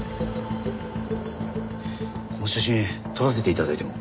この写真撮らせて頂いても？